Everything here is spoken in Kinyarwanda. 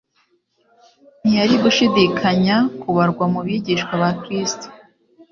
ntiyari gushidikanya kubarwa mu bigishwa ba Kristo.